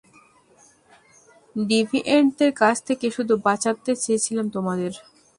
ডিভিয়েন্টদের কাছ থেকে শুধু বাঁচাতে চেয়েছিলাম তোমাদের।